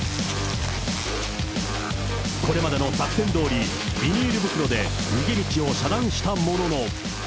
これまでの作戦どおり、ビニール袋で逃げ道を遮断したものの。